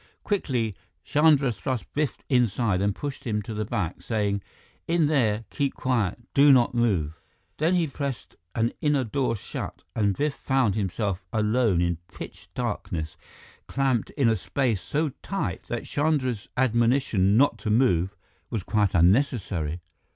Quickly, Chandra thrust Biff inside and pushed him to the back, saying, "In there keep quiet do not move!" Then he pressed an inner door shut, and Biff found himself alone in pitch darkness, clamped in a space so tight that Chandra's admonition not to move was quite unnecessary.